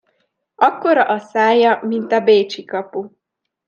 Akkora a szája, mint a Bécsi kapu.